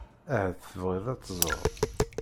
Ahat tebɣiḍ ad teẓreḍ.